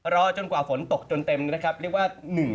รอจนกว่าฝนตกจนเต็มร้อยสูง๑หา